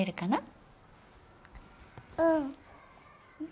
うん。